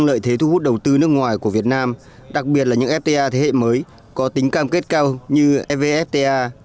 lợi thế thu hút đầu tư nước ngoài của việt nam đặc biệt là những fta thế hệ mới có tính cam kết cao như evfta